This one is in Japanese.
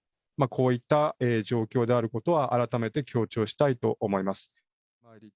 こういった状況であることは改めて強調したいと思います。